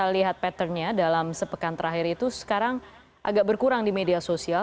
lihat pattern nya dalam sepekan terakhir itu sekarang agak berkurang di media sosial